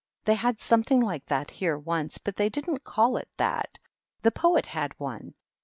They had something like that here once, but they didn't call it that. The Poet had one.